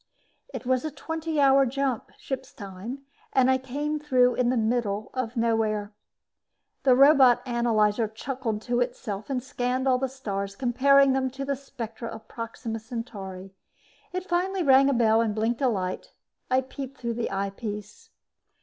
It was a twenty hour jump, ship's time, and I came through in the middle of nowhere. The robot analyzer chuckled to itself and scanned all the stars, comparing them to the spectra of Proxima Centauri. It finally rang a bell and blinked a light. I peeped through the eyepiece.